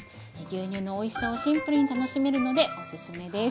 牛乳のおいしさをシンプルに楽しめるのでおすすめです。